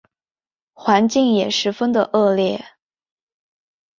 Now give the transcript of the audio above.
环境也十分的恶劣